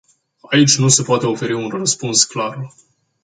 Aici nu se poate oferi un răspuns clar.